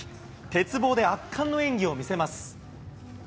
鉄棒で圧巻の演技を見せます。